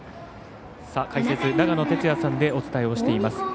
解説、長野哲也さんでお伝えしています。